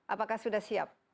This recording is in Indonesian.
apakah sudah siap